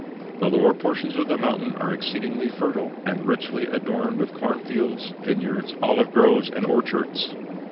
The lower portions of the mountain are exceedingly fertile, and richly adorned with corn fields, vineyards, olive groves and orchards.